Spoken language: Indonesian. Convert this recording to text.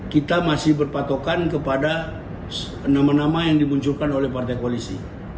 kita masih berpatokan kepada nama nama yang dimunculkan oleh partai koalisi